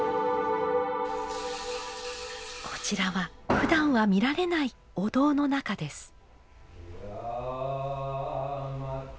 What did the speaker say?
こちらはふだんは見られないお堂の中です。